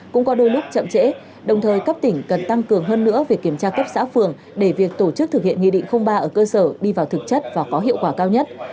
cũng qua đôi lúc chậm trễ đồng thời cấp tỉnh cần tăng cường hơn nữa việc kiểm tra cấp xã phường để việc tổ chức thực hiện nghị định ba ở cơ sở đi vào thực chất và có hiệu quả cao nhất